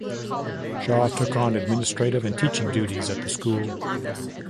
Shaw took on administrative and teaching duties at the school.